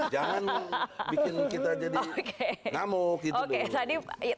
jangan bikin kita jadi namuk gitu dulu